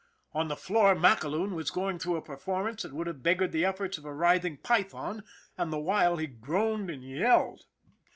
On the floor MacAloon was going through a performance that would have beg gared the efforts of a writhing python, and the while he groaned and yelled.